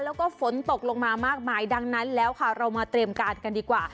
แล้วก็ฝนตกลงมามากมายดังนั้นแล้วค่ะเรามาเตรียมการกันดีกว่า